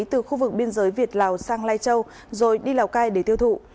từ khu vực biên giới việt lào sang lai châu rồi đi lào cai để tiêu thụ